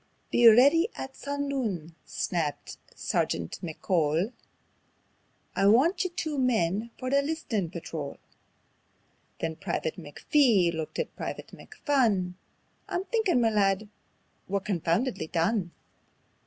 "Be ready at sundoon," snapped Sergeant McCole; "I want you two men for the List'nin' Patrol." Then Private McPhee looked at Private McPhun: "I'm thinkin', ma lad, we're confoundedly done."